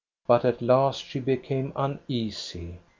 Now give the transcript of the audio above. But at last she became uneasy.